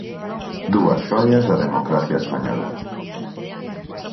Dúas xoias da Democracia española.